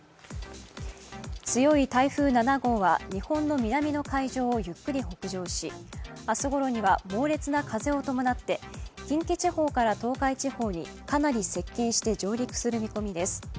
強い台風７号は、日本の南の海上をゆっくり北上し、明日ごろには猛烈な風を伴って近畿地方から東海地方にかなり接近して上陸する見込みです。